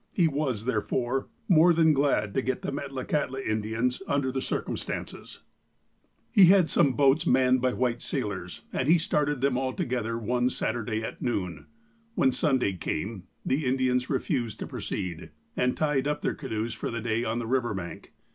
He was, therefore, more than glad to take the Metlakahtla Indians, under the circumstances. 168 THE APOSTLE OF ALASKA He had some boats manned by white sailors, and he started them all together one Saturday at noon. When Sunday came, the Indians refused to proceed, and tied up their canoes for the day on the river bank.